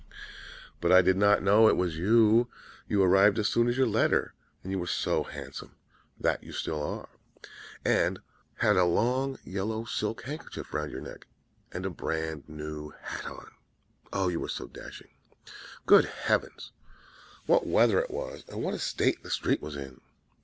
"'But I did not know it was you. You arrived as soon as your letter, and you were so handsome that you still are and had a long yellow silk handkerchief round your neck, and a bran new hat on; oh, you were so dashing! Good heavens! What weather it was, and what a state the street was in!'